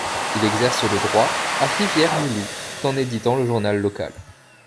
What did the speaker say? Il exerce le droit à Rivière-du-Loup, tout en éditant le journal local.